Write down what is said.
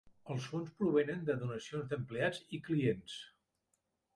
Els fons provenen de donacions d'empleats i clients.